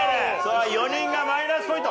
４人がマイナスポイント。